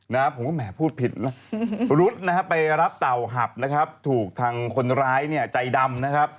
ผมก็แหมพูดผิดรุดไปรับเต่าหับถูกทางคนร้ายใจดำ